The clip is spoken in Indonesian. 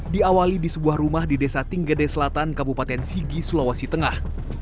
diawali di sebuah rumah di desa tinggede selatan kabupaten sigi sulawesi tengah